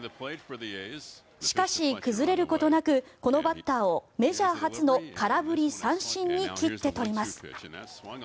しかし、崩れることなくこのバッターをメジャー初の空振り三振に切って取ります。